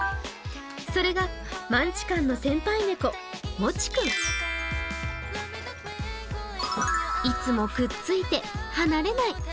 それがマンチカンの先輩猫、もち君いつもくっついて離れない。